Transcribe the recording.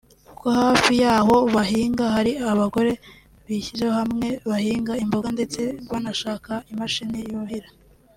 kuko hafi y’aho bahinga hari abagore bishyize hamwe bahinga imboga ndetse banashaka imashini yuhira